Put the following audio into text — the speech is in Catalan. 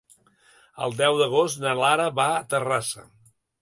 El deu d'agost na Lara va a Terrassa.